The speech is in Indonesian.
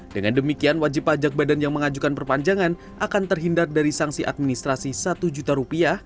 dengan demikian wajib pajak badan yang mengajukan perpanjangan akan terhindar dari sanksi administrasi satu juta rupiah